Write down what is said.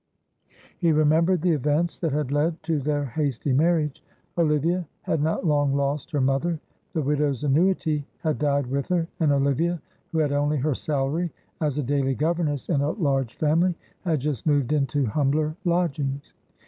He remembered the events that had led to their hasty marriage. Olivia had not long lost her mother, the widow's annuity had died with her, and Olivia, who had only her salary as a daily governess in a large family, had just moved into humbler lodgings.